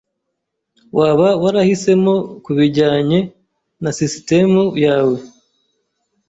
Waba warahisemo kubijyanye na sisitemu yawe?